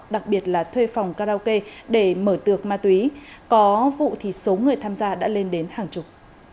đặc biệt là thuê phòng karaoke để mở tược ma túy có vụ thì số người tham gia đã lên đến hàng chục